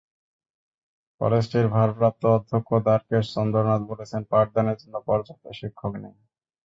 কলেজটির ভারপ্রাপ্ত অধ্যক্ষ দ্বারকেশ চন্দ্রনাথ বলেছেন, পাঠদানের জন্য পর্যাপ্ত শিক্ষক নেই।